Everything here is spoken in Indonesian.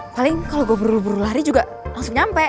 paling kalau gue buru buru lari juga langsung nyampe